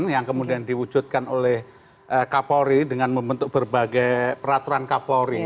yang kemudian diwujudkan oleh kapolri dengan membentuk berbagai peraturan kapolri